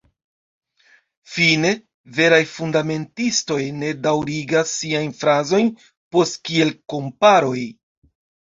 Fine, veraj fundamentistoj ne daŭrigas siajn frazojn post kiel-komparoj.